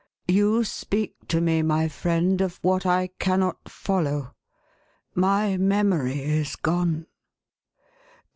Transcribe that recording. You speak to me, my friend, of what I cannot follow ; my memory is gone."